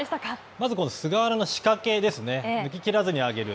まず菅原の仕掛けですね、抜ききらずに上げる。